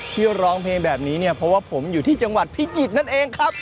ร้องเพลงแบบนี้เนี่ยเพราะว่าผมอยู่ที่จังหวัดพิจิตรนั่นเองครับ